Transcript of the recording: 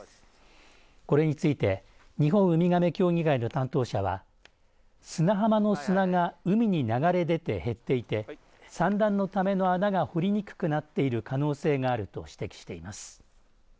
これについて日本ウミガメ協議会の担当者は砂浜の砂が海に流れ出て減っていて産卵のための穴が堀りにくくなっている可能性があると指摘しています。